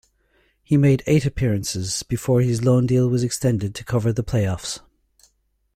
He made eight appearances, before his loan deal was extended to cover the play-offs.